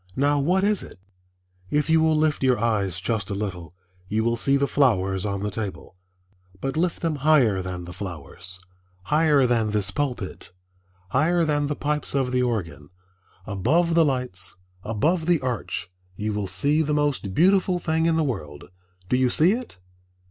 Now what is it? If you will lift your eyes just a little you will see the flowers on the table, but lift them higher than the flowers, higher than this pulpit, higher than the pipes of the organ, above the lights, above the arch, you will see the most beautiful thing in the world. Do you see it?